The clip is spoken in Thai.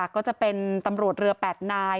ก็จะเป็นตำรวจเรือ๘นาย